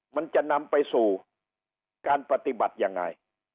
มันจะนำไปสู่การปฏิบัติยังไง